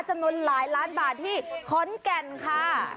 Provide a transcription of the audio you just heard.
จะน้อยหลายล้านบาทที่ค้นแก่นค่ะ